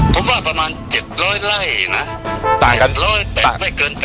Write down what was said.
ผมว่าประมาณ๗๐๐ไร่นะแต่ไม่เกิน๘๐๐ไร่